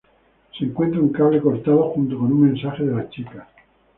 Se encuentra un cable cortado, junto con un mensaje de las chicas.